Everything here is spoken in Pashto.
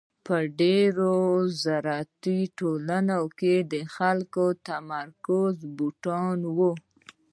په ډېرو زراعتي ټولنو کې د خلکو تمرکز بوټو ته و.